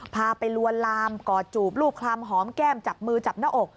พาไปลวนลามกอดจูบรูปคลำหอมแก้มจับมือจับหน้าอก